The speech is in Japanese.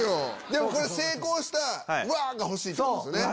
でも成功したわ！が欲しいってことですよね。